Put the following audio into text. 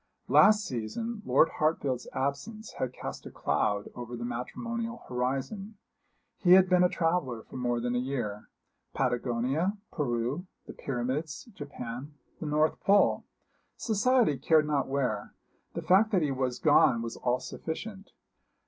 Last season Lord Hartfield's absence had cast a cloud over the matrimonial horizon. He had been a traveller for more than a year Patagonia, Peru, the Pyramids, Japan, the North Pole society cared not where the fact that he was gone was all sufficient.